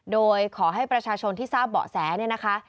โดยขอให้ประชาชนที่ทราบเบาะแสเนี่ยนะคะ